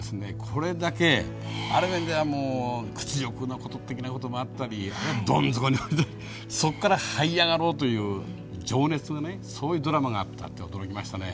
これだけもう屈辱的なこともあったりどん底に落ちたりそこからはい上がろうという情熱がねそういうドラマがあったって驚きましたね。